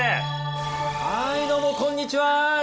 はいどうもこんにちは！